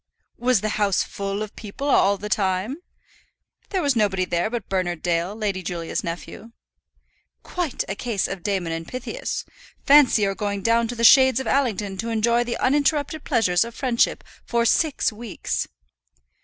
"Was the house full of people all the time?" "There was nobody there but Bernard Dale, Lady Julia's nephew." "Quite a case of Damon and Pythias. Fancy your going down to the shades of Allington to enjoy the uninterrupted pleasures of friendship for six weeks."